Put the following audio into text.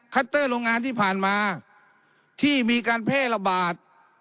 เตอร์โรงงานที่ผ่านมาที่มีการแพร่ระบาด